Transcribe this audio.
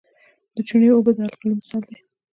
د چونې اوبه د القلي مثال دی.